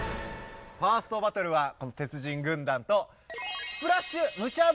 ファーストバトルはこの鉄人軍団とわ！